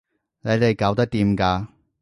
你哋搞得掂㗎